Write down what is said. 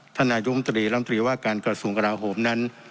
ท่านนายุมตรีรัมตรีว่าการกระสูงกระหลาโหมนั้น